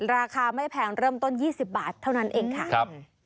ราคาไม่แพงเริ่มต้น๒๐บาทเท่านั้นเองค่ะ